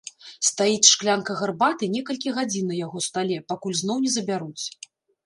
Стаіць шклянка гарбаты некалькі гадзін на яго стале, пакуль зноў не забяруць.